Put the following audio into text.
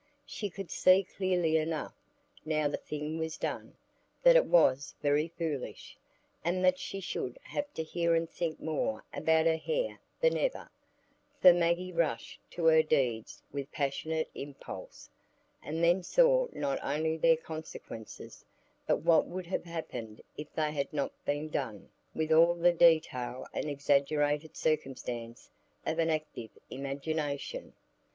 She could see clearly enough, now the thing was done, that it was very foolish, and that she should have to hear and think more about her hair than ever; for Maggie rushed to her deeds with passionate impulse, and then saw not only their consequences, but what would have happened if they had not been done, with all the detail and exaggerated circumstance of an active imagination.